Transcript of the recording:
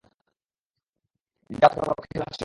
যাও তাকে বল, খেলা আজ শেষ।